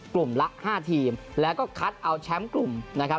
ละ๕ทีมแล้วก็คัดเอาแชมป์กลุ่มนะครับ